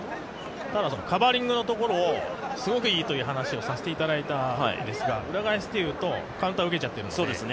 カバーリングのところすごくいいという話をさせていただいたんですが裏返していうと、カウンター受けちゃってるんで。